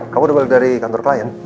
kamu udah balik dari kantor klien